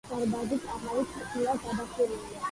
დარბაზი კამარით ყოფილა გადახურული.